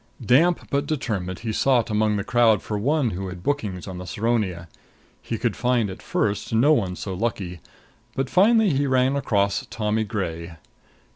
Damp but determined, he sought among the crowd for one who had bookings on the Saronia. He could find, at first, no one so lucky; but finally he ran across Tommy Gray.